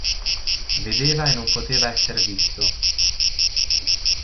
Vedeva e non poteva esser visto.